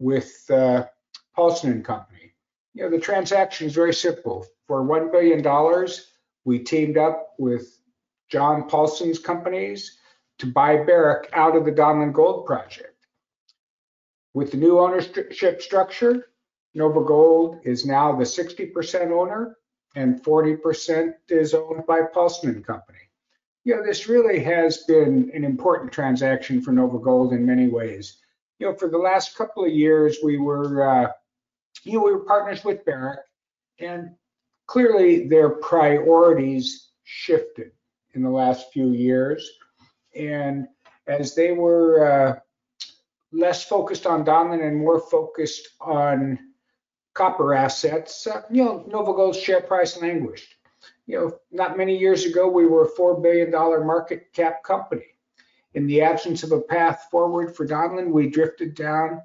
With Paulson & Co, the transaction is very simple. For $1 billion, we teamed up with John Paulson's companies to buy Barrick out of the Donlin Gold project. With the new ownership structure, NovaGold is now the 60% owner and 40% is owned by Paulson & Co. Yeah, this really has been an important transaction for NovaGold in many ways for the last couple of years. We were partners with Barrick and clearly their priorities shifted in the last few years. As they were less focused on Donlin and more focused on copper assets, NovaGold's share price languished. Not many years ago, we were a $4 billion market cap company. In the absence of a path forward for Donlin, we drifted down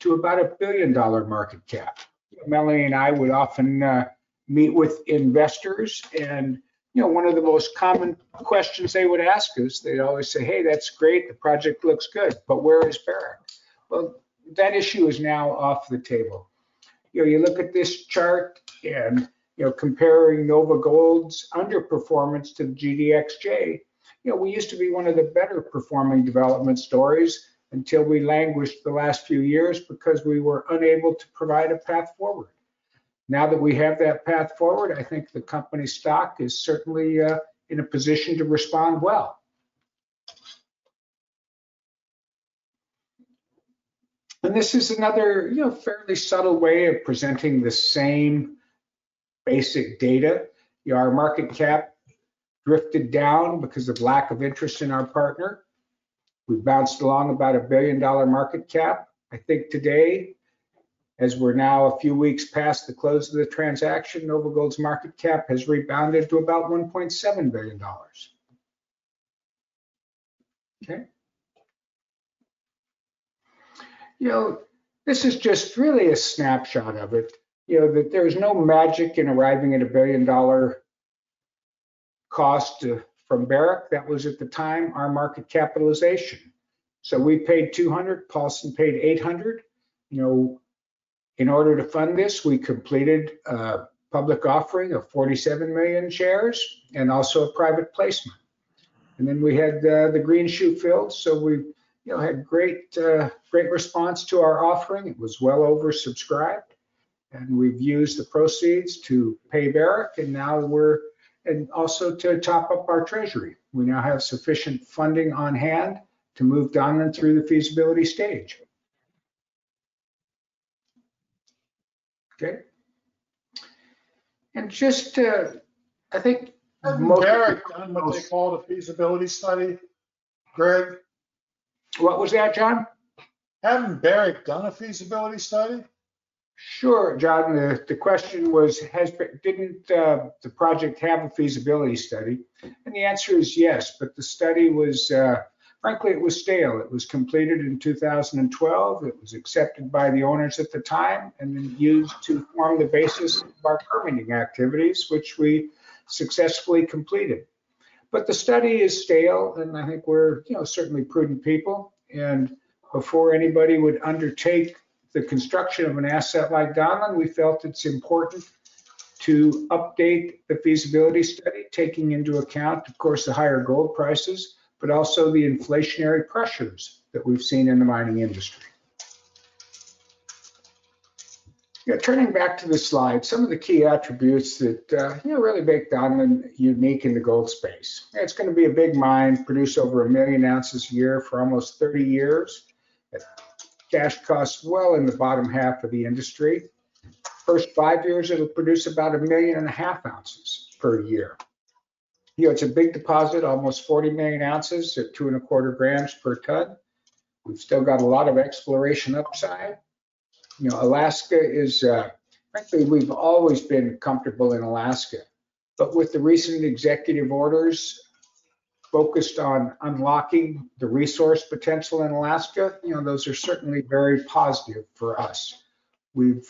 to about a $1 billion market cap. Melanie and I would often meet with investors and one of the most common questions they would ask is they always say, hey, that's great. The project looks good, but where is Barrick? That issue is now off the table. You look at this chart and comparing NovaGold's underperformance to GDXJ. We used to be one of the better performing development stories until we languished the last few years because we were unable to provide a path forward. Now that we have that path forward, I think the company stock is certainly in a position to respond well. This is another fairly subtle way of presenting the same basic data. Our market cap drifted down because of lack of interest in our partner. We bounced along about a $1 billion market cap. I think today, as we're now a few weeks past the close of the transaction, NovaGold's market cap has rebounded to about $1.7 billion. Okay. You know, this is just really a snapshot of it, you know, that there is no magic in arriving at a billion dollar cost from Barrick. That was at the time our market capitalization. So we paid $200 million, Paulson paid $800 million. In order to fund this, we completed public offering of 47 million shares and also a private placement. And then we had the green shoe filled. We had great response to our offering. It was well oversubscribed. We've used the proceeds to pay Barrick and now we're, and also to top up our treasury, we now have sufficient funding on hand to move Donlin through the feasibility stage. Okay. And just I think Barrick done what. They called a feasibility study. Greg, what was that, John? Haven't Barrick done a feasibility study? Sure, John. The question was, didn't the project have a feasibility study? The answer is yes. The study was, frankly, it was stale. It was completed in 2012. It was accepted by the owners at the time and then used to form the basis of our permitting activities, which we successfully completed. The study is stale and I think we're certainly prudent people. Before anybody would undertake the construction of an asset like Donlin, we felt it's important to update the feasibility study. Taking into account, of course, the higher gold prices, but also the inflationary pressures that we've seen in the mining industry. Turning back to the slide, some of the key attributes that really make Donlin unique in the gold space. It's going to be a big mine, produce over a million ounces a year for almost 30 years. Cash costs well in the bottom half of the industry. First five years, it'll produce about 1.5 million ounces per year. It's a big deposit, almost 40 million ounces at 2.25 g per ton. We've still got a lot of exploration upside. You know, Alaska is frankly, we've always been comfortable in Alaska. With the recent executive orders focused on unlocking the resource potential in Alaska, you know, those are certainly very positive for us. We're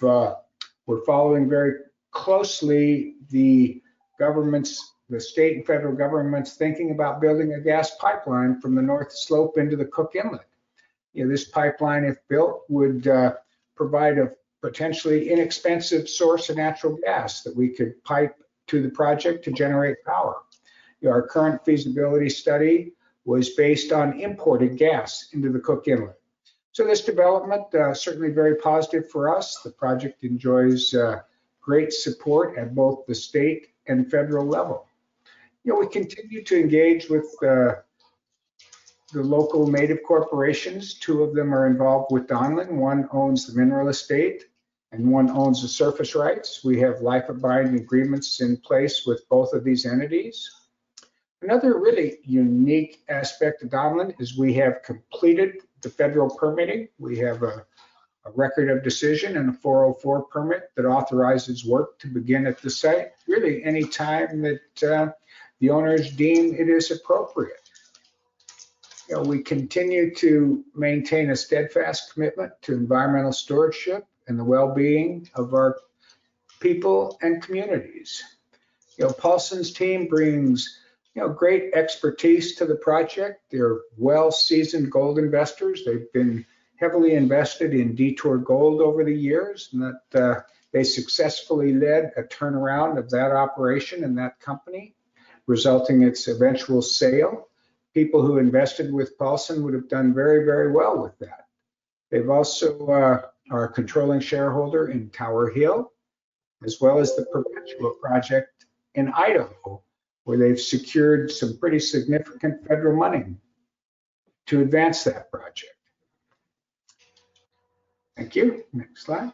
following very closely the governments, the state and federal governments thinking about building a gas pipeline from the North Slope into the Cook Inlet. You know, this pipeline, if built, would provide a potentially inexpensive source of natural gas that we could pipe to the project to generate power. Our current feasibility study was based on imported gas into the Cook Inlet. This development is certainly very positive for us. The project enjoys great support at both the state and federal level. We continue to engage with the local native corporations. Two of them are involved with Donlin. One owns the mineral estate and one owns the surface rights. We have life of binding agreements in place with both of these entities. Another really unique aspect of Donlin is we have completed the federal permitting. We have a record of decision and a 404 permit that authorizes work to begin at the site, really anytime that the owners deem it is appropriate. We continue to maintain a steadfast commitment to environmental stewardship and the well-being of our people and communities. Paulson's team brings great expertise to the project. They're well-seasoned gold investors. They've been heavily invested in Detour Gold over the years. They successfully led a turnaround of that operation and that company, resulting in its eventual sale. People who invested with Paulson would have done very, very well with that. They also are a controlling shareholder in Tower Hill as well as the Perpetua project in Idaho, where they've secured some pretty significant federal money to advance that project. Thank you. Next slide.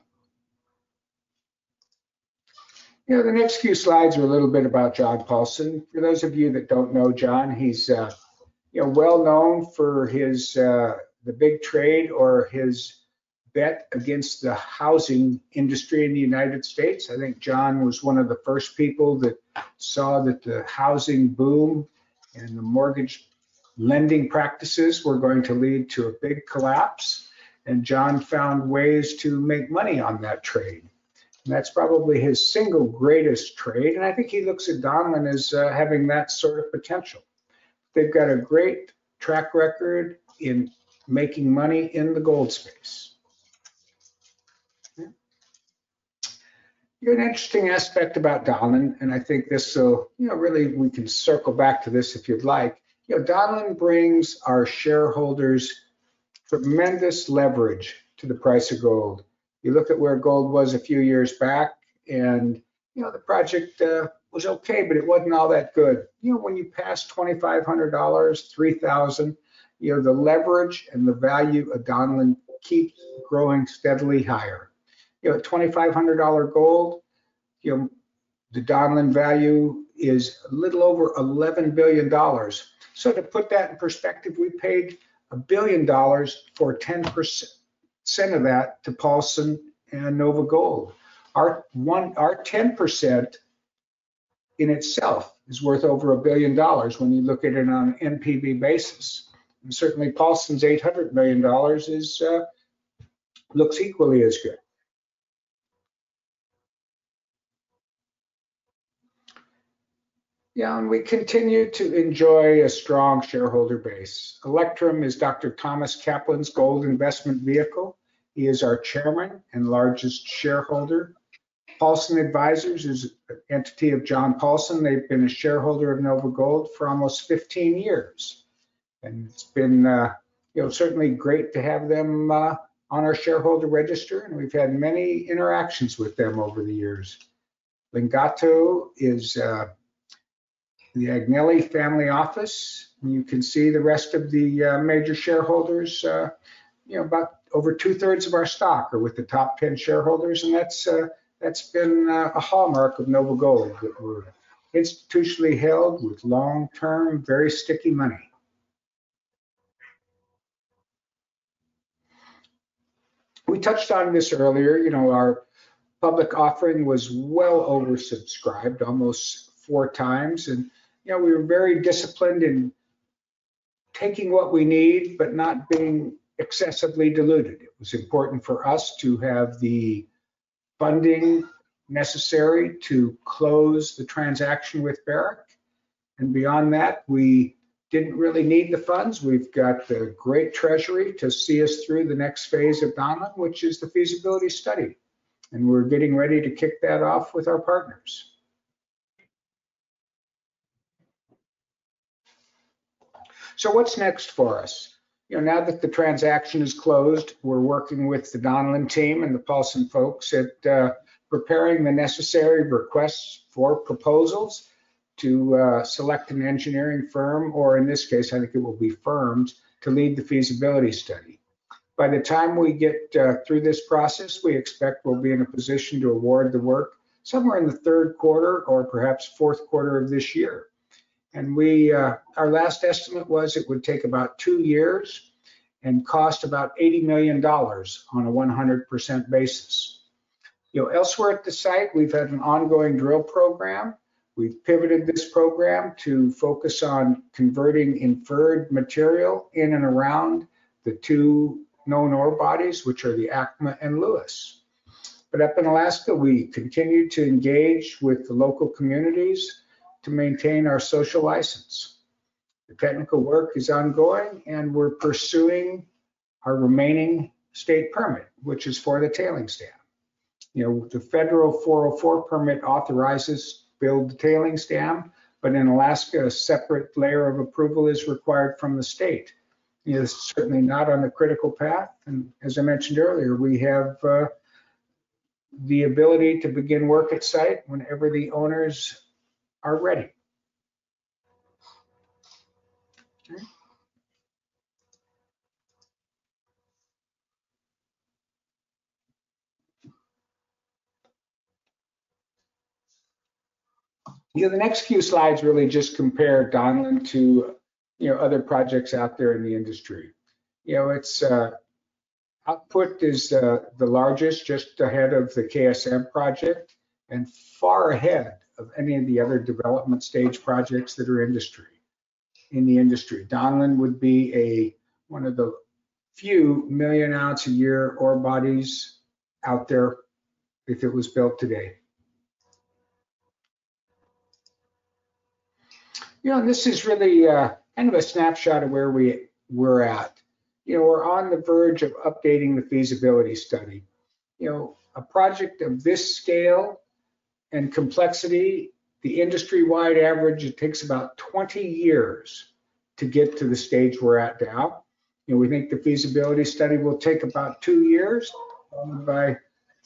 The next few slides are a little bit about John Paulson. For those of you that do not know John, he's well known for his the big trade or his bet against the housing industry in the United States. I think John was one of the first people that saw that the housing boom and the mortgage lending practices were going to lead to a big collapse. John found ways to make money on that trade. That's probably his single greatest trade. I think he looks at Donlin as having that sort of potential. They've got a great track record in making money in the gold space. You're an interesting aspect about Donlin and I think this. You know, really we can circle back to this if you'd like. You know, Donlin brings our shareholders tremendous leverage to the price of gold. You look at where gold was a few years back and, you know, the project was okay, but it wasn't all that good. You know, when you pass $2,500, $3,000, you know, the leverage and the value of Donlin keeps growing steadily higher. You know, $2,500 gold, you know, the Donlin value is a little over $11 billion. To put that in perspective, we paid $1 billion for 10% of that to Paulson and NovaGold. Our 10% in itself is worth over $1 billion when you look at it on an NPV basis. Certainly Paulson's $800 million looks equally as good. We continue to enjoy a strong shareholder base. Electrum is Dr. Thomas Kaplan's gold investment vehicle. He is our Chairman and largest shareholder. Paulson Advisors is an entity of John Paulson. They've been a shareholder of NovaGold for almost 15 years. It's been certainly great to have them on our shareholder register. We've had many interactions with them over the years. Lingotto is the Agnelli family office. You can see the rest of the major shareholders. You know, about over two thirds of our stock are with the top 10 shareholders. That's been a hallmark of NovaGold. Institutionally held with long term, very sticky money. We touched on this earlier. You know, our public offering was well oversubscribed almost four times. And you know, we were very disciplined in taking what we need, but not being excessively diluted. It was important for us to have the funding necessary to close the transaction with Barrick. Beyond that, we did not really need the funds. We have got the great treasury to see us through the next phase of Donlin, which is the feasibility study. We are getting ready to kick that off with our partners. What is next for us? You know, now that the transaction is closed, we are working with the Donlin team and the Paulson folks at preparing the necessary requests for proposals to select an engineering firm or in this case, I think it will be firms to lead the feasibility study. By the time we get through this process. We expect we'll be in a position to award the work somewhere in the third quarter or perhaps fourth quarter of this year. Our last estimate was it would take about two years and cost about $80 million on a 100% basis. Elsewhere at the site we've had an ongoing drill program. We've pivoted this program to focus on converting inferred material in and around the two known ore bodies which are the ACMA and Lewis. Up in Alaska we continue to engage with the local communities to maintain our social license. The technical work is ongoing and we're pursuing our remaining state permit which is for the tailings dam. The federal 404 permit authorizes build tailings dam but in Alaska a separate layer of approval is required from the state. It is certainly not on the critical path. As I mentioned earlier, we have the ability to begin work at site whenever the owners are ready. The next few slides really just compare Donlin to, you know, other projects out there in the industry. You know, its output is the largest, just ahead of the KSM project and far ahead of any of the other development stage projects that are in the industry. Donlin would be one of the few million ounce a year ore bodies out there if it was built today. You know, this is really kind of a snapshot of where we were at. You know, we are on the verge of updating the feasibility study. You know, a project of this scale and complexity, the industry wide average, it takes about 20 years to get to the stage we are at now. We think the feasibility study will take about two years,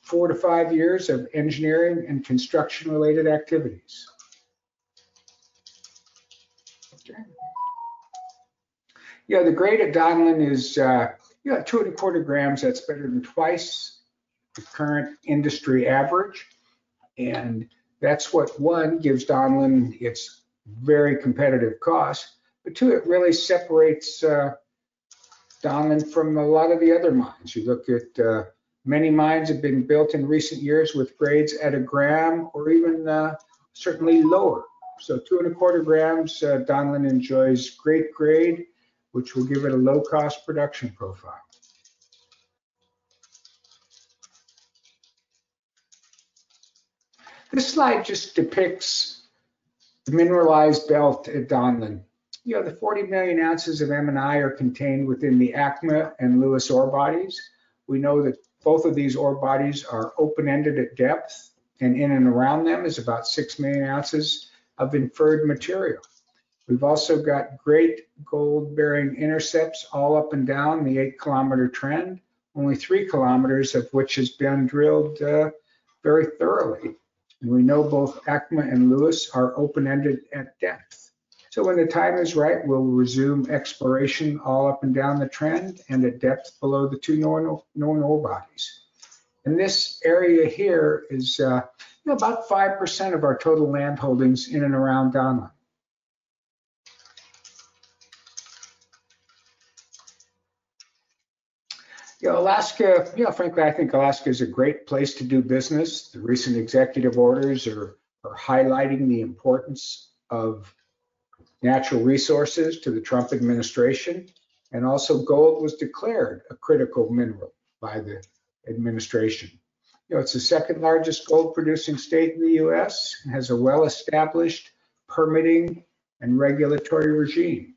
four to five years of engineering and construction related activities. Yeah, the grade at Donlin is two and a quarter grams. That is better than twice the current industry average. That is what, one, gives Donlin its very competitive cost. Two, it really separates Donlin from a lot of the other mines you look at. Many mines have been built in recent years with grades at a gram or even certainly lower. Two and a quarter grams. Donlin enjoys great grade which will give it a low cost production profile. This slide just depicts the mineralized belt at Donlin. You know the 40 million ounces of M&I are contained within the ACMA and Lewis ore bodies. We know that both of these ore bodies are open ended at depth and in and around them is about 6 million ounces of inferred material. We have also got great gold bearing intercepts all up and down the 8 km trend, only 3 km of which has been drilled very thoroughly. We know both ECMA and Lewis are open ended at depth. When the time is right we will resume exploration all up and down the trend and at depth below the two. This area here is about 5% of our total land holdings in and around Donlin, Alaska. Frankly, I think Alaska is a great place to do business. The recent executive orders are highlighting the importance of natural resources to the Trump administration. Gold was declared a critical mineral by the administration. It's the second largest gold producing state in the U.S., has a well-established permitting and regulatory regime,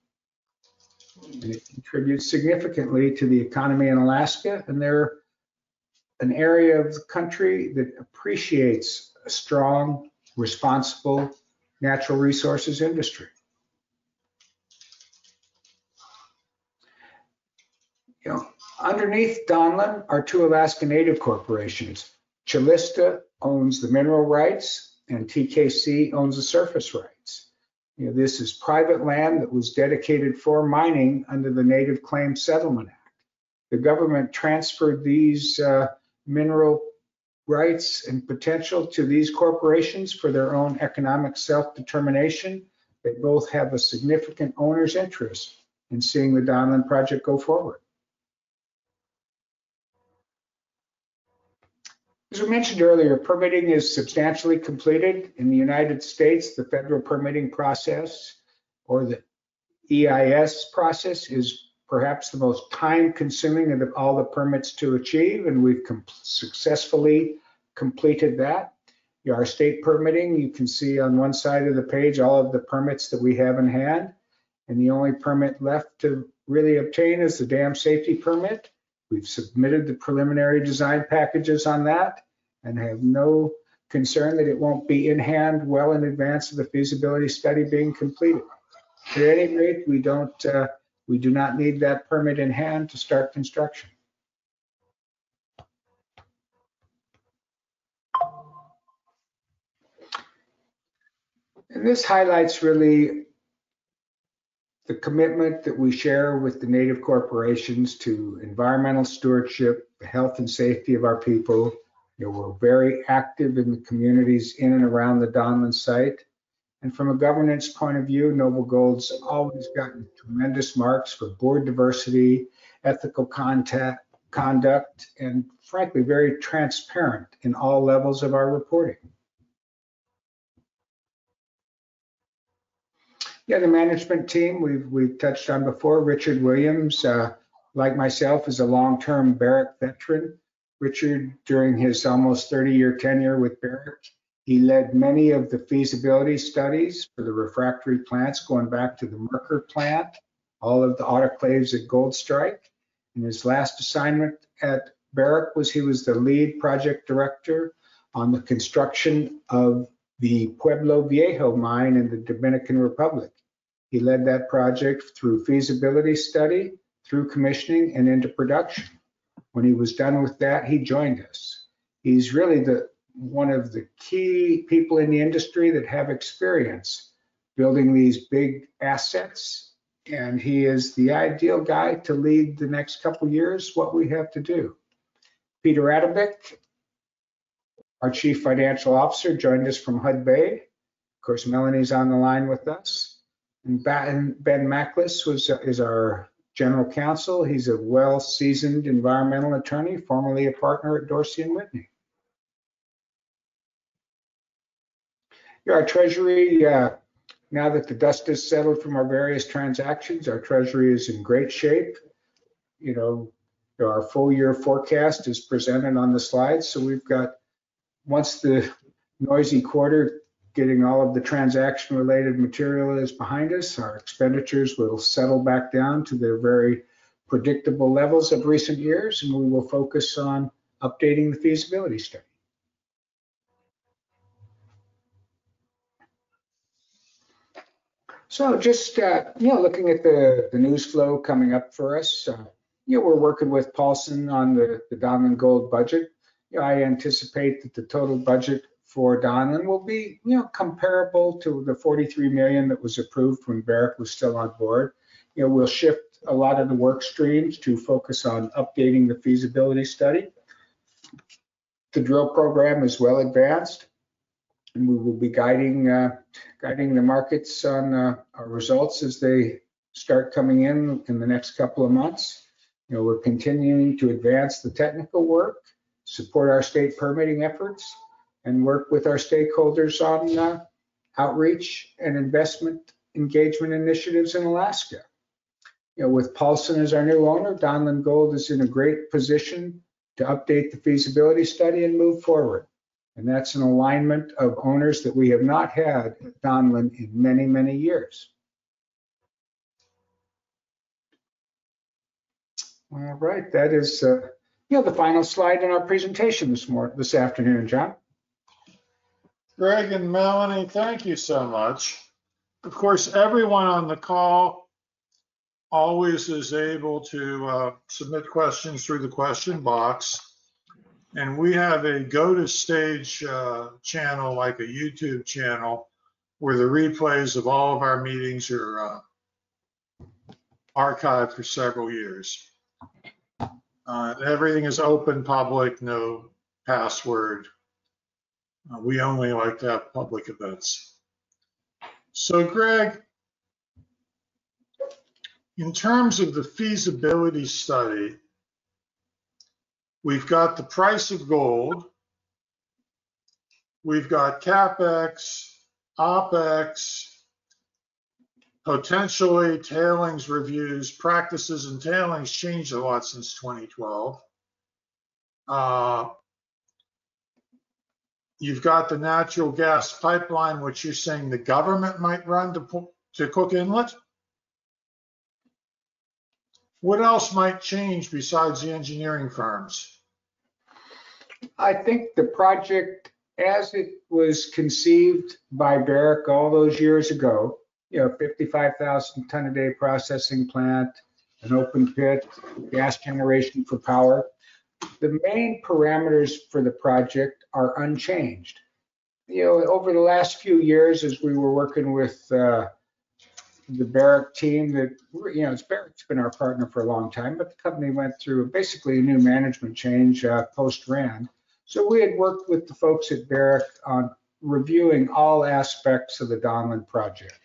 and it contributes significantly to the economy in Alaska. They're an area of the country that appreciates a strong, responsible natural resources industry. You know, underneath Donlin are two Alaska Native corporations. Calista owns the mineral rights and TKC owns the surface rights. This is private land that was dedicated for mining under the Native Claim Settlement Act. The government transferred these mineral rights and potential to these corporations for their own economic self-determination. They both have a significant owner's interest in seeing the Donlin project go forward. As we mentioned earlier, permitting is substantially completed in the United States. The federal permitting process, or the EIS process, is perhaps the most time-consuming of all the permits to achieve. We've successfully completed that. Our state permitting. You can see on one side of the page all of the permits that we have in hand. The only permit left to really obtain is the dam safety permit. We've submitted the preliminary design packages on that and have no concern that it won't be in hand well in advance of the feasibility study being completed. At any rate, we do not need that permit in hand to start construction. This highlights really the commitment that we share with the native corporations to environmental stewardship, the health and safety of our people. We're very active in the communities in and around the Donlin site. From a governance point of view, NovaGold's always gotten tremendous marks for board diversity, ethical conduct, and frankly very transparent in all levels of our reporting. Yeah, the management team, we've touched on before. Richard Williams, like myself, is a long term Barrick veteran. Richard, during his almost 30 year tenure with Barrick, he led many of the feasibility studies for the refractory plants going back to the Merkur plant, all of the autoclaves at Gold Strike. His last assignment at Barrick was he was the lead project director on the construction of the Pueblo Viejo mine in the Dominican Republic. He led that project through feasibility study, through commissioning and into production. When he was done with that, he joined us. He's really one of the key people in the industry that have experienced building these big assets and he is the ideal guy to lead the next couple years. What we have to do. Peter Adambic, our Chief Financial Officer, joined us from Hudbay. Of course, Melanie's on the line with us and Ben Macklis is our General Counsel. He's a well-seasoned environmental attorney, formerly a partner at Dorsey & Whitney. Our treasury, now that the dust is settled from our various transactions, our treasury is in great shape. You know, our full year forecast is presented on the slide. We've got once the noisy quarter getting all of the transaction-related material is behind us, our expenditures will settle back down to their very predictable levels of recent years and we will focus on updating the feasibility study. Just, you know, looking at the news flow coming up for us, you know, we're working with Paulson on the Donlin Gold budget. I anticipate that the total budget for Donlin will be, you know, comparable to the $43 million that was approved when Barrick was still on board. We'll shift a lot of the work streams to focus on updating the feasibility study. The drill program is well advanced and we will be guiding the markets on our results as they start coming in in the next couple of months. We are continuing to advance the technical work, support our state permitting efforts, and work with our stakeholders on outreach and investment engagement initiatives in Alaska. With Paulson as our new owner, Donlin Gold is in a great position to update the feasibility study and move forward. That is an alignment of owners that we have not had at Donlin in many, many years. All right, that is the final slide in our presentation this afternoon. John, Greg and Melanie, thank you so much. Of course, everyone on the call always is able to submit questions through the question box. We have a go to stage channel, like a YouTube channel where the replays of all of our meetings are archived for several years. Everything is open public, no password. We only like to have public events. Greg, in terms of the feasibility study, we have the price of gold, we have CapEx, OpEx, potentially tailings reviews, practices and tailings changed a lot since 2012. You have the natural gas pipeline which you are saying the government might run to Cook Inlet. What else might change besides the engineering firms? I think the project as it was conceived by Barrick all those years ago, you know, 55,000 ton a day processing plant, an open pit gas generation for power. The main parameters for the project are unchanged, you know, over the last few years as we were working with the Barrick team that, you know, Barrick's been our partner for a long time but the company went through basically a new management change post ran. So we had worked with the folks at Barrick on reviewing all aspects of the Donlin project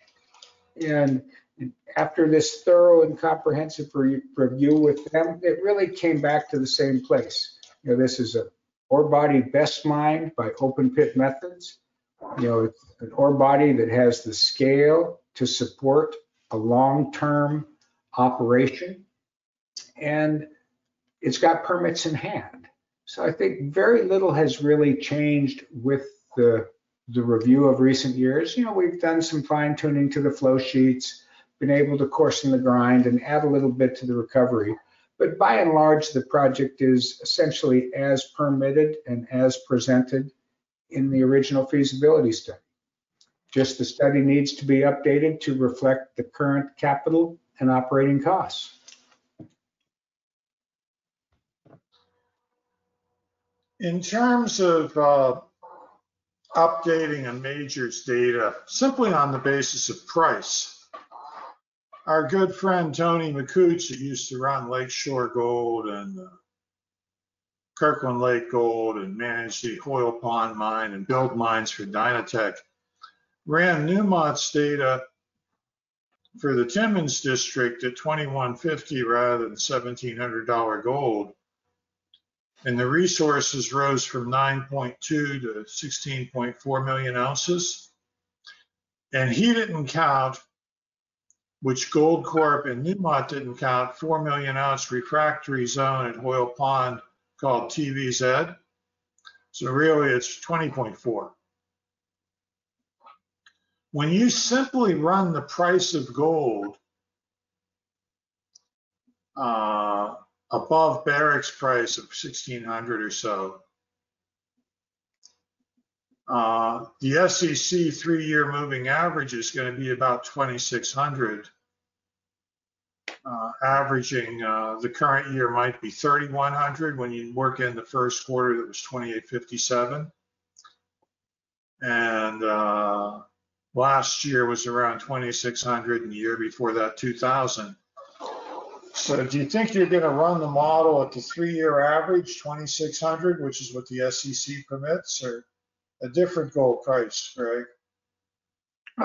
and after this thorough and comprehensive review with them, it really came back to the same place. This is a ore body best mined by open pit methods. An ore body that has the scale to support a long term operation and it's got permits in hand. I think very little has really changed with the review of recent years. You know we've done some fine tuning to the flow sheets, been able to coarse in the grind and add a little bit to the recovery. By and large the project is essentially as permitted and as presented in the original feasibility study, just the study needs to be updated to reflect the current capital and operating costs. In terms of updating a major's data simply on the basis of price. Our good friend Tony Makuch who used to run Lakeshore Gold and Kirkland Lake Gold and managed the Hoyle Pond mine and built mines for Dynatec, ran Newmont's data for the Timmins district at $2,150 rather than $1,700 gold. And the resources rose from 9.2 to 16.4 million ounces. And he did not count, which Goldcorp and Newmont did not count, a 4 million ounce refractory zone at Hoyle Pond called TVZ. So really it is 20.4. When you simply run the price of gold above Barrick's price of $1,600 or so, the SEC three year moving average is going to be about $2,600 averaging. The current year might be $3,100. When you work in the first quarter that was $2,857 and last year was around $2,600. In the year before that $2,000. Do you think you're going to run the model at the three-year average $2,600, which is what the SEC permits, or a different gold price, Greg?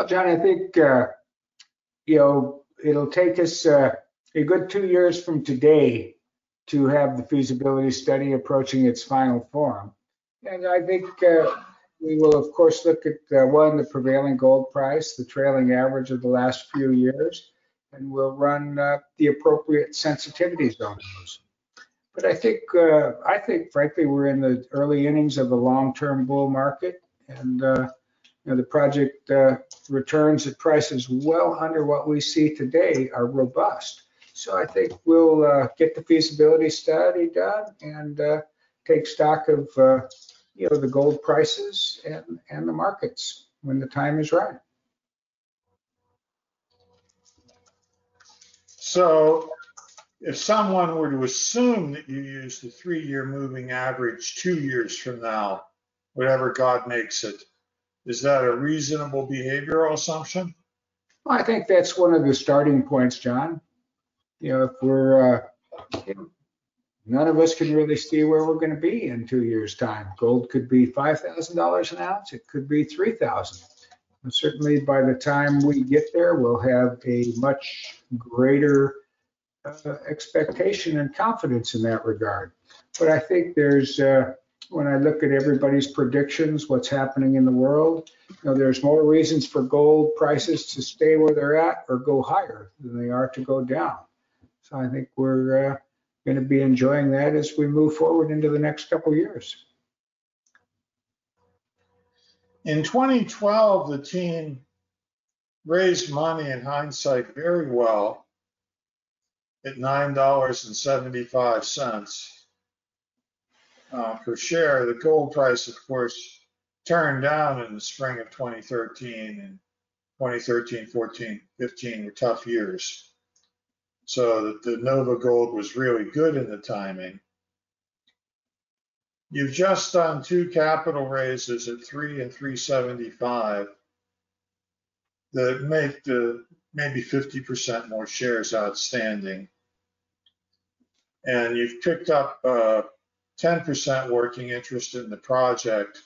John, I think, you know, it'll take us a good two years from today to have the feasibility study approaching its final form. I think we will of course look at one, the prevailing gold price, the trailing average of the last few years, and we'll run the appropriate sensitivities on those. I think, frankly, we're in the early innings of a long term bull market and the project returns at prices well under what we see today are robust. I think we'll get the feasibility study done and take stock of the gold prices and the markets when the time is right. If someone were to assume that you use the three year moving average two years from now, whatever God makes it, is that a reasonable behavioral assumption? I think that's one of the starting points, John. You know, if we're, none of us can really see where we're going to be in two years' time, gold could be $5,000 an ounce. It could be $3,000. Certainly by the time we get there we'll have a much greater expectation and confidence in that regard. I think there's, when I look at everybody's predictions, what's happening in the world, there's more reasons for gold prices to stay where they're at or go higher than there are to go down. I think we're going to be enjoying that as we move forward into the next couple of years. In 2012, the team raised money in hindsight very well at $9.75 per share. The gold price of course turned down in the spring of 2013 and 2013, 14, 15 were tough years. So the NovaGold was really good in the timing. You've just done two capital raises at 3 and 3.75 that make the maybe 50% more shares outstanding and you've picked up 10% working interest in the project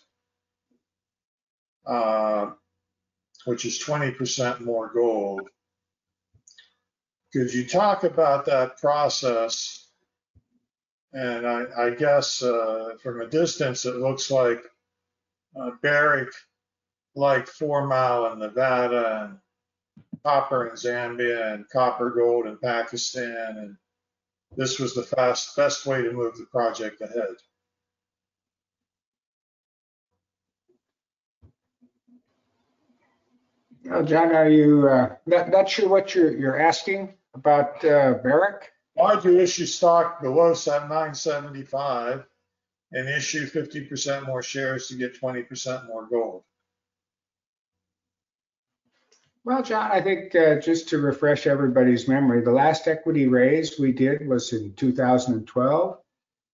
which is 20% more gold. Because you talk about that process and I, I guess from a distance it looks like Barrick, like Four Mile in Nevada and Copper in Zambia and Copper Gold in Pakistan and this was the fast best way to move the project ahead. John, are you not sure what you're asking about Barrick? Why'd you issue stock below $9.75 and issue 50% more shares to get 20% more gold? John, I think just to refresh everybody's memory, the last equity raise we did was in 2012.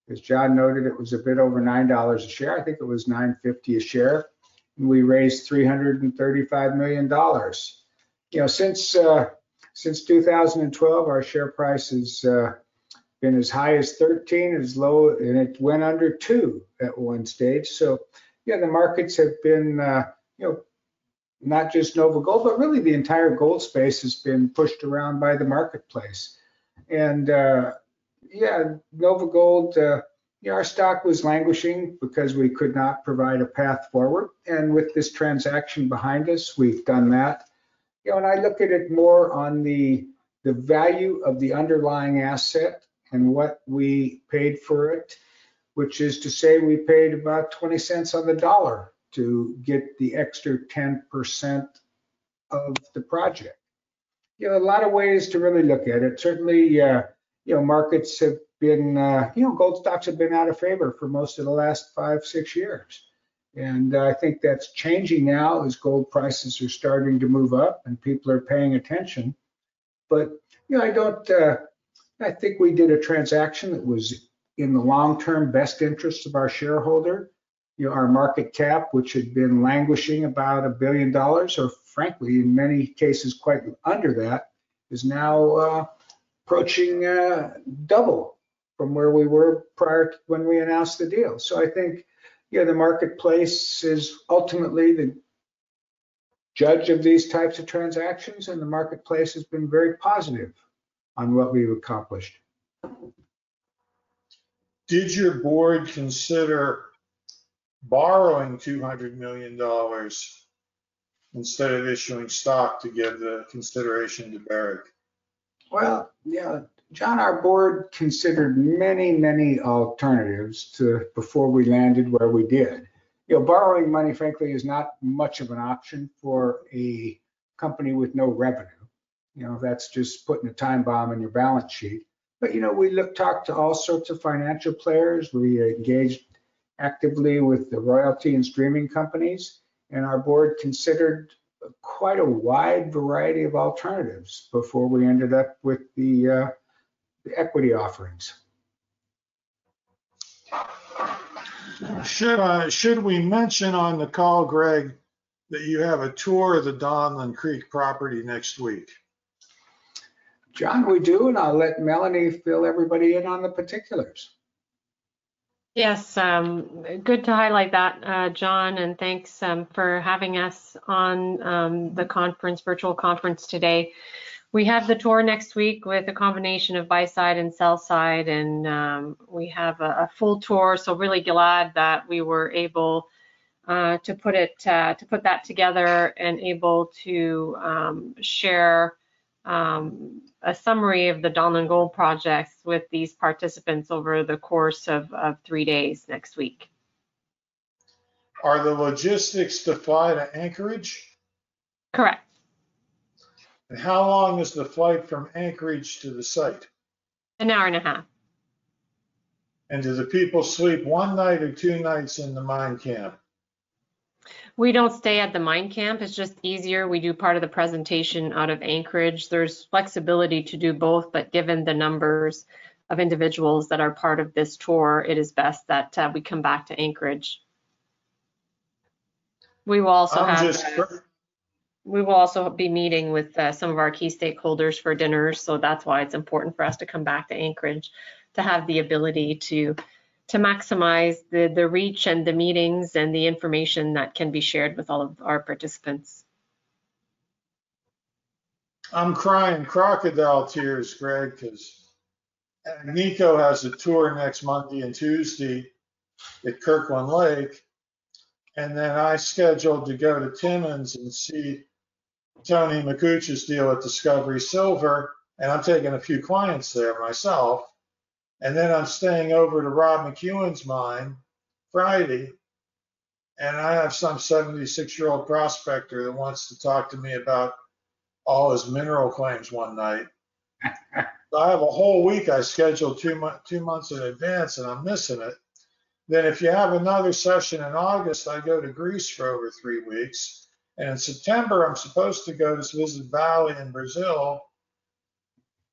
As John noted, it was a bit over $9 a share. I think it was $9.50 a share and we raised $335 million. You know, since 2012, our share price has been as high as $13, as low and it went under $2 at one stage. Yeah, the markets have been, you know, not just NovaGold, but really the entire gold space has been pushed around by the marketplace. Yeah, NovaGold, our stock was languishing because we could not provide a path forward. With this transaction behind us, we've done that. I look at it more on the value of the underlying asset and what we paid for it, which is to say we paid about 20 cents on the dollar to get the extra 10% of the project. You know, a lot of ways to really look at it. Certainly, you know, markets have been, you know, gold stocks have been out of favor for most of the last five, six years. I think that's changing now as gold prices are starting to move up and people are paying attention. You know, I don't. I think we did a transaction that was in the long term best interest of our shareholder. Our market cap, which had been languishing about $1 billion, or frankly in many cases quite under that, is now approaching double from where we were prior when we announced the deal. I think the marketplace is ultimately the judge of these types of transactions. The marketplace has been very positive on what we've accomplished. Did your board consider borrowing $200 million instead of issuing stock to give the consideration to Barrick? John, our board considered many, many alternatives before we landed where we did. You know, borrowing money, frankly, is not much of an option for a company with no revenue. You know, that's just putting a time bomb in your balance sheet. You know, we talked to all sorts of financial players. We engaged actively with the royalty and streaming companies, and our board considered quite a wide variety of alternatives before we ended up with the equity offerings. Should we mention on the call, Greg, that you have a tour of the Donlin Gold property next week, John. We do and I'll let Melanie fill everybody in on the particulars. Yes, good to highlight that, John, and thanks for having us on the virtual conference today. We have the tour next week with a combination of buy side and sell side and we have a full tour. Really glad that we were able to put that together and able to share a summary of the Donlin Gold project with these participants over the course of three days next week. Are the logistics defined at Anchorage? correct? How long is the flight from Anchorage to the site? An hour and a half. Do the people sleep one night or two nights? In the mine camp. We don't stay at the mine camp. It's just easier. We do part of the presentation out of Anchorage. There's flexibility to do both. Given the numbers of individuals that are part of this tour, it is best that we come back to Anchorage. We will also be meeting with some of our key stakeholders for dinners. That's why it's important for us to come back to Anchorage, to have the ability to maximize the reach and the meetings and the information that can be shared with all of our participants. I'm crying crocodile tears, Greg, because Agnico has a tour next Monday and Tuesday at Kirkland Lake. Then I scheduled to go to Timmins and see Tony Makuch's deal at Discovery Silver. I'm taking a few clients there myself. I'm staying over to Rob McEwen's mine Friday and I have some 76-year-old prospector that wants to talk to me about all his mineral claims. One night. I have a whole week I scheduled two months in advance and I'm missing it. If you have another session in August, I go to Greece for over three weeks, and in September I'm supposed to go to visit Valley in Brazil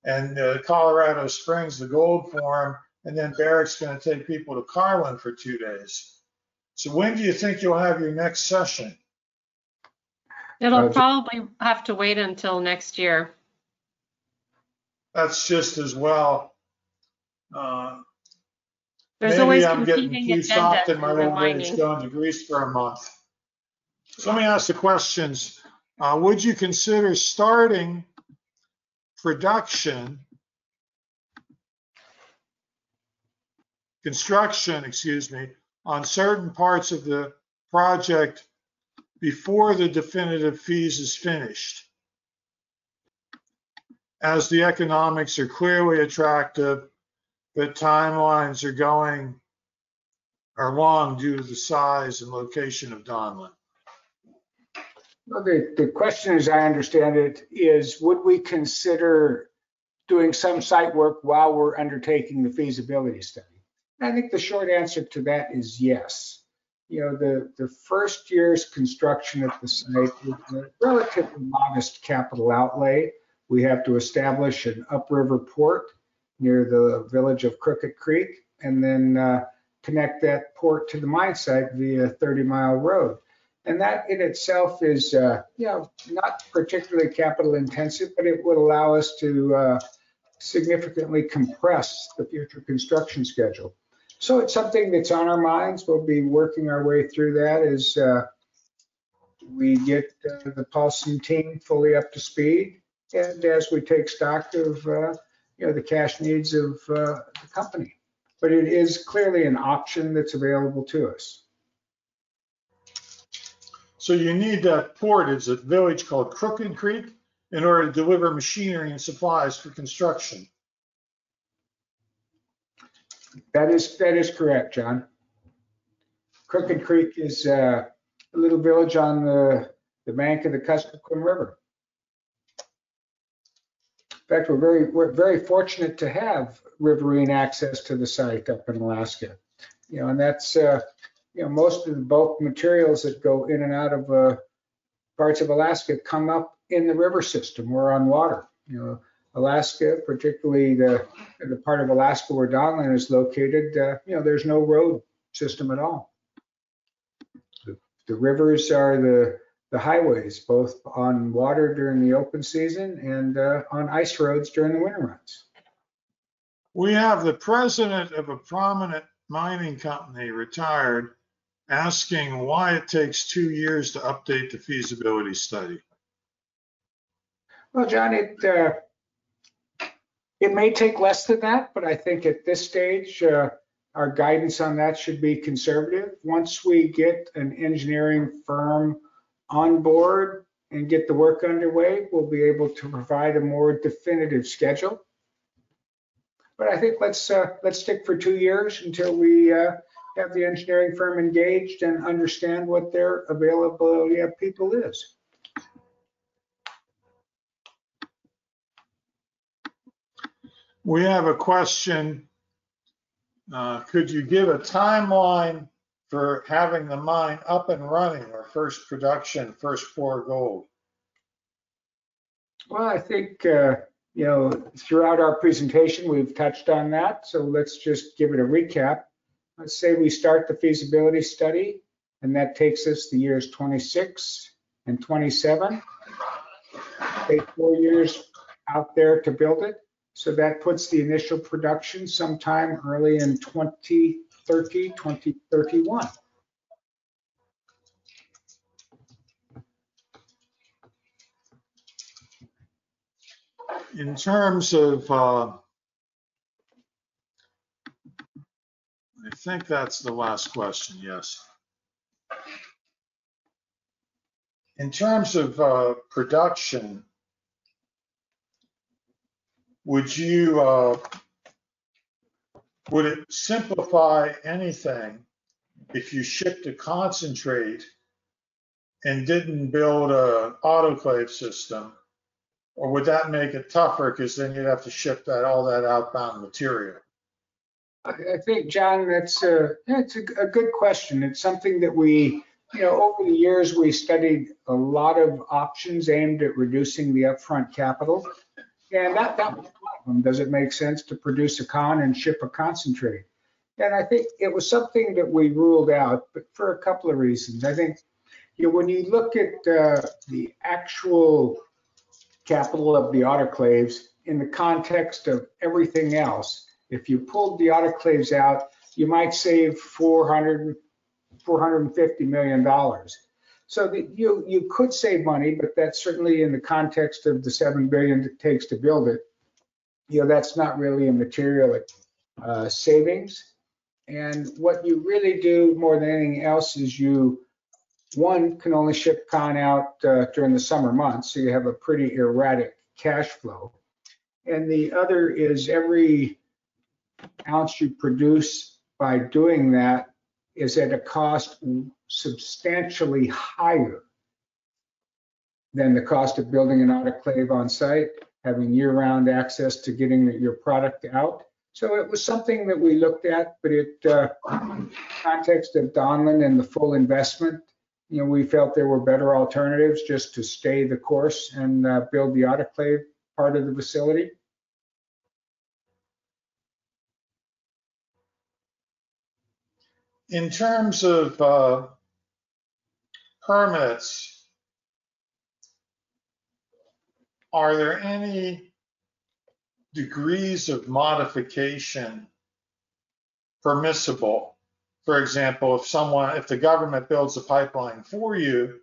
and Colorado Springs, the gold forum. Barrick's going to take people to Carlin for two days. When do you think you'll have your next session? It'll probably have to wait until next year. That's just as well. There's always. Going to Greece for a month. Let me ask the questions. Would you consider starting production construction, excuse me, on certain parts of the project before the definitive Feasibility Study is finished as the economics are clearly attractive, but timelines are long due to the size and location of Donlin. The question as I understand it is would we consider doing some site work while we're undertaking the feasibility study? I think the short answer to that is yes. You know, the first year's construction of the site, relatively modest capital outlay. We have to establish an upriver port near the village of Crooked Creek and then connect that port to the mine site via 30 mi road. And that in itself is, you know, not particularly capital intensive, but it would allow us to significantly compress the future construction schedule. It is something that's on our minds. We'll be working our way through that as we get the Paulson team fully up to speed and as we take stock of, you know, the cash needs of the company. It is clearly an option that's available to us. You need that port. It's a village called Crooked Creek in order to deliver machinery and supplies for construction. That is. That is correct, John. Crooked Creek is a little village on the bank of the Kuskokwim River. In fact, we're very. We're very fortunate to have riverine access to the site up in Alaska. You know, and that's, you know, most of the bulk materials that go in and out of parts of Alaska come up in the river system or on water. You know, Alaska, particularly the part of Alaska where Donlin is located, you know, there's no road system at all. The rivers are the highways, both on water during the open season and on ice roads during the winter months. We have the President of a prominent mining company, retired, asking why it takes two years to update the feasibility study. John, it may take less than that, but I think at this stage, our guidance on that should be conservative. Once we get an engineering firm on board and get the work underway, we'll be able to provide a more definitive schedule. I think let's stick for two years until we have the engineering firm engaged and understand what their availability of people is. We have a question. Could you give a timeline for having the mine up and running or first production? First for gold. I think, you know, throughout our presentation, we've touched on that. So let's just give it a recap. Let's say we start the feasibility study, and that takes us the years 2026 and 2027 out there to build it. So that puts the initial production sometime early in 2030, 2031. In terms of, I think that's the last question. Yes. In terms of production, would you, would it simplify anything if you shipped a concentrate and didn't build an autoclave system, or would that make it tougher because then you'd have to ship that, all that outbound material? I think, John, that's a good question. It's something that we, you know, over the years, we studied a lot of options aimed at reducing the upfront capital. That was a problem. Does it make sense to produce a con and ship a concentrate? I think it was something that we ruled out, but for a couple of reasons. I think when you look at the actual capital of the autoclaves in the context of everything else, if you pulled the autoclaves out, you might save $450 million. You could save money. That's certainly in the context of the $7 billion it takes to build it. That's not really a material savings. What you really do more than anything else is you, one can only ship con out during the summer months, so you have a pretty erratic cash flow. The other is every ounce you produce by doing that is at a cost substantially higher than the cost of building an autoclave on site, having year-round access to getting your product out. It was something that we looked at, but in the context of Donlin and the full investment, you know, we felt there were better alternatives just to stay the course and build the autoclave part of the facility. In terms of permits, are there any degrees of modification permissible? For example, if someone, if the government builds a pipeline for you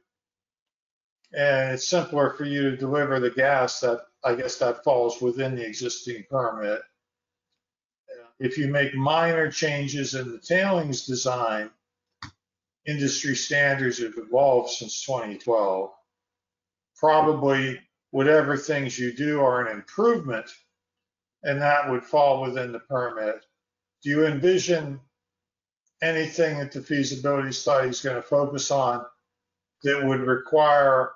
and it's simpler for you to deliver the gas, I guess that falls within the existing permit. If you make minor changes in the tailings design, industry standards have evolved since 2012. Probably whatever things you do are an improvement and that would fall within the permit. Do you envision anything that the feasibility study is going to focus on that would require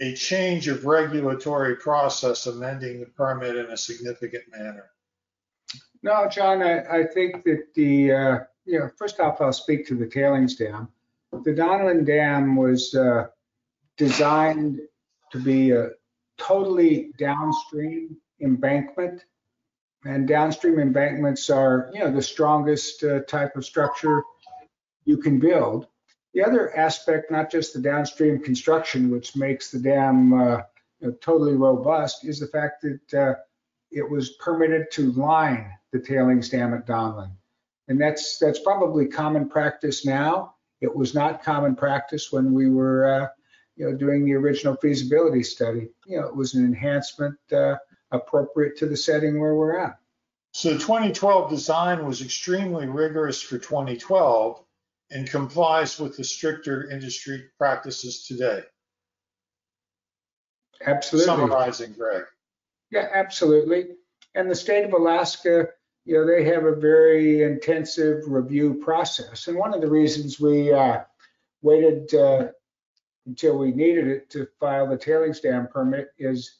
a change of regulatory process, amending the permit in a significant manner? No, John, I think that the, you know, first off, I'll speak to the tailings dam. The Donlin dam was designed to be totally downstream embankment. And downstream embankments are, you know, the strongest type of structure you can build. The other aspect, not just the downstream construction, which makes the dam totally robust, is the fact that it was permitted to line the tailings dam at Donlin. And that's, that's probably common practice now. It was not common practice when we were, you know, doing the original feasibility study. It was an enhancement appropriate to the setting where we're at. The 2012 design was extremely rigorous for 2012 and complies with the stricter industry practices today. Absolutely. Summarizing, Greg. Yeah, absolutely. The state of Alaska, you know, they have a very intensive review process. One of the reasons we waited until we needed it to file the tailings dam permit is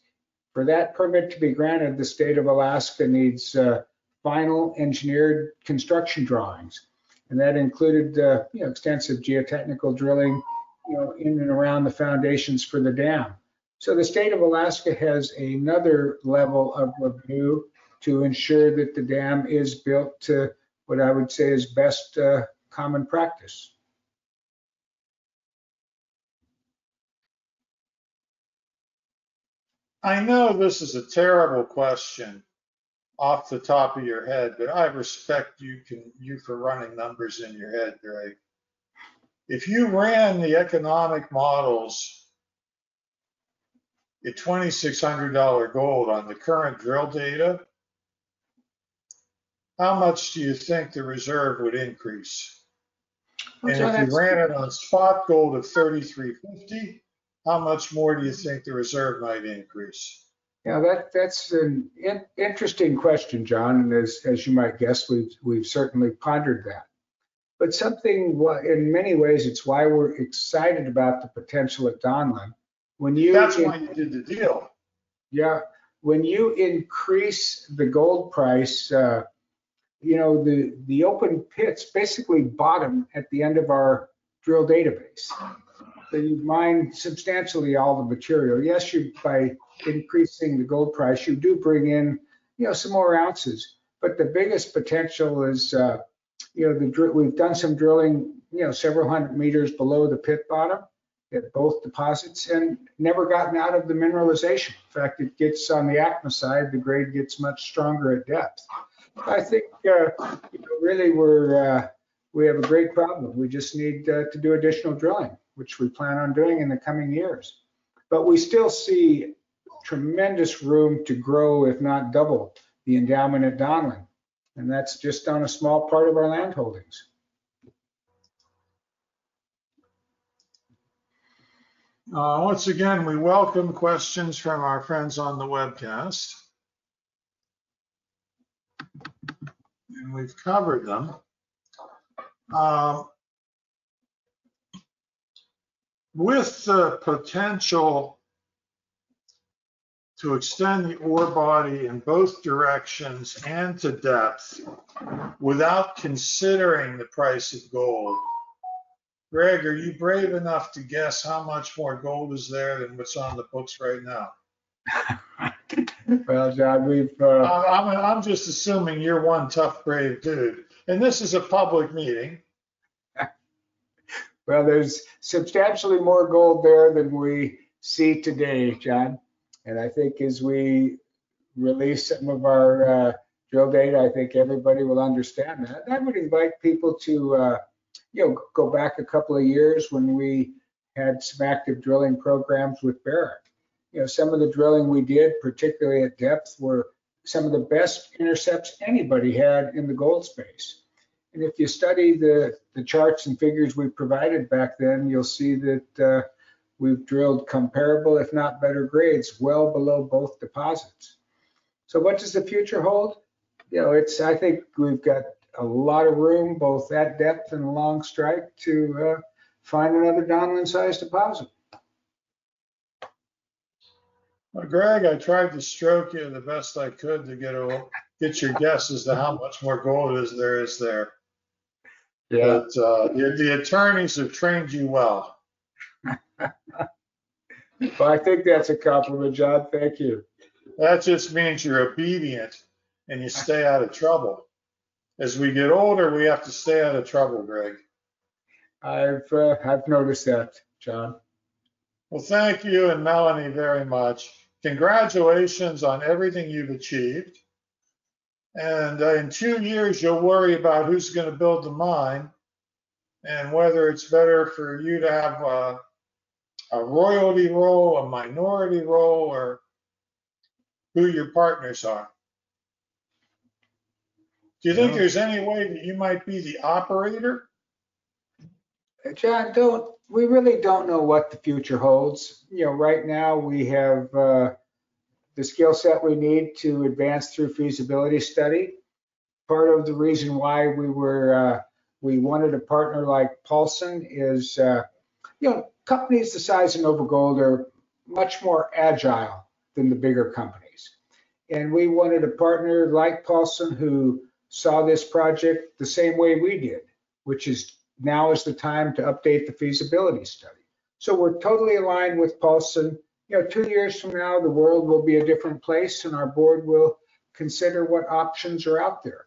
for that permit to be granted, the state of Alaska needs final engineered construction drawings. That included extensive geotechnical drilling in and around the foundations for the dam. The state of Alaska has another level of review to ensure that the dam is built to what I would say is best common practice. I know this is a terrible question off the top of your head, but I respect you can you for running numbers in your head. If you ran the economic models at $2,600 gold on the current drill data, how much do you think the reserve would increase? If you ran it on spot gold of $3,350, how much more do you think the reserve might increase? Yeah, that's an interesting question, John. As you might guess, we've certainly pondered that. In many ways, it's why we're excited about the potential at Donlin. When you. That's why you did the deal. Yeah. When you increase the gold price, you know, the open pits basically bottom at the end of our drill database. So you mine substantially all the material. Yes. You, by increasing the gold price, you do bring in, you know, some more ounces. The biggest potential is, you know, we've done some drilling, you know, several hundred meters below the pit bottom at both deposits and never gotten out of the mineralization. In fact, it gets on the ACMA side, the grade gets much stronger at depth. I think really we have a great problem. We just need to do additional drilling, which we plan on doing in the coming years. We still see tremendous room to grow, if not double the endowment at Donlin, and that's just on a small part of our land holdings. Once again, we welcome questions from our friends on the webcast, and we've covered them with the potential to extend the ore body in both directions and to depth without considering the price of gold. Greg, are you brave enough to guess how much more gold is there than what's on the books right now? I'm just assuming you're one tough, brave dude and this is a public meeting. There is substantially more gold there than we see today, John. I think as we release some of our drill data, I think everybody will understand that. I would invite people to, you know, go back a couple of years when we had some active drilling programs with Barrick. You know, some of the drilling we did, particularly at depth, were some of the best intercepts anybody had in the gold space. If you study the charts and figures we provided back then, you will see that we have drilled comparable, if not better grades well below both deposits. What does the future hold? You know, I think we have got a lot of room, both at depth and along strike to find another Donlin-sized deposit. Greg, I tried to stroke you the best I could to get a. Get your guess as to how much more gold is there is there. The attorneys have trained you well. I think that's a compliment, John. Thank you. That just means you're obedient and you stay out of trouble. As we get older, we have to stay out of trouble, Greg. I've noticed that, John. Thank you and Melanie very much. Congratulations on everything you've achieved. In two years you'll worry about who's going to build the mine and whether it's better for you to have a royalty role, a minority role, or who your partners are. Do you think there's any way that you might be the operator? John, don't. We really don't know what the future holds. You know, right now we have the skill set we need to advance through feasibility study. Part of the reason why we wanted a partner like Paulson is, you know, companies the size of NovaGold are much more agile than the bigger companies. We wanted a partner like Paulson who saw this project the same way we did, which is now is the time to update the feasibility study so we're totally aligned with Paulson. Two years from now, the world will be a different place and our board will consider what options are out there.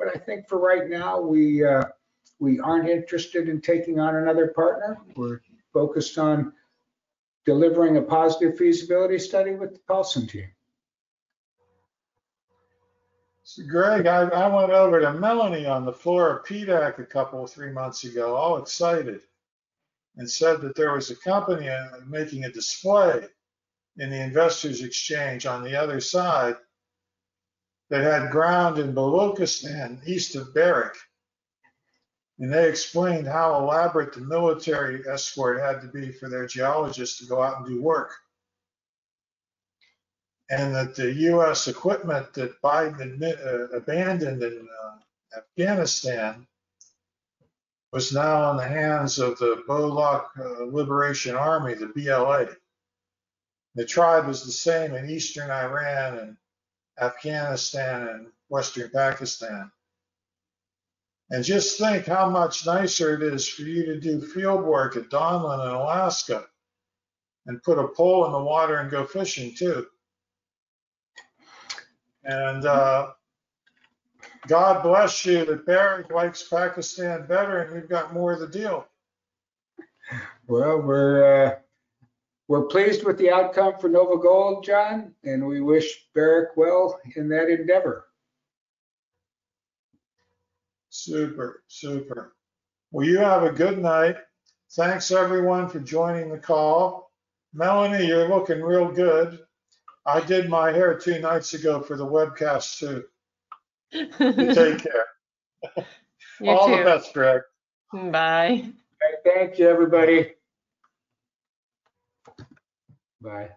I think for right now, we aren't interested in taking on another partner. We're focused on delivering a positive feasibility study with the Paulson team. Greg, I went over to Melanie on the floor of PDAC a couple, three months ago all excited and said that there was a company making a display in the Investors Exchange on the other side that had ground in Balochistan and east of Barrick and they explained how elaborate the military escort had to be for their geologists to go out and do work and that the U.S. equipment that Biden abandoned in Afghanistan was now in the hands of the Baloch Liberation Army. The BLA, the tribe is the same in eastern Iran and Afghanistan and western Pakistan. Just think how much nicer it is for you to do field work at Donlin in Alaska and put a pole in the water and go fishing too. God bless you that Barrick likes Pakistan better and you have got more of the deal. We're pleased with the outcome for NovaGold, John, and we wish Barrick well in that endeavor. Super, super. You have a good night. Thanks everyone for joining the call. Melanie, you're looking real good. I did my hair two nights ago for the webcast too. Take care. All of that straight. Bye. Thank you everybody. Bye.